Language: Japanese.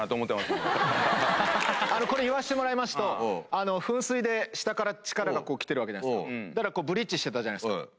これ言わせてもらいますと噴水で下から力が来てるわけじゃないですかブリッジしてたじゃないですか。